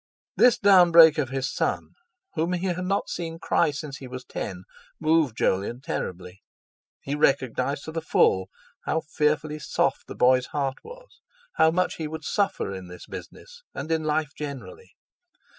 This downbreak of his son, whom he had not seen cry since he was ten, moved Jolyon terribly. He recognised to the full how fearfully soft the boy's heart was, how much he would suffer in this business, and in life generally.